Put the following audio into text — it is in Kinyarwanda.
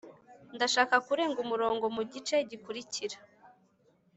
ndashaka kurenga umurongo mugice gikurikira.